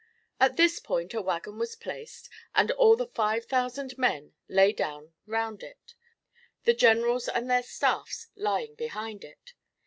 At this point a waggon was placed, and all the five thousand men lay down round it, the Generals and their staffs lying behind it.